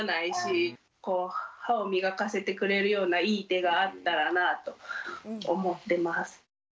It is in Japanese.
こう歯を磨かせてくれるようないい手があったらなぁと思ってます。